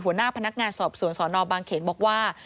หัวหน้าพนักงานสอบสวนสนบางเขนบอกว่า